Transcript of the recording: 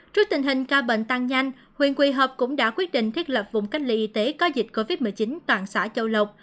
trước tình hình ca bệnh tăng nhanh huyện quỳ hợp cũng đã quyết định thiết lập vùng cách ly y tế có dịch covid một mươi chín toàn xã châu lộc